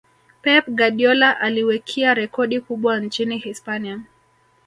pep guardiola aliwekia rekodi kubwa nchini hispania